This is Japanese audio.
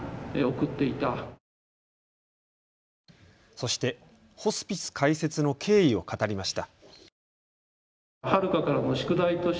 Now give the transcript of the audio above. そしてホスピス開設の経緯を語りました。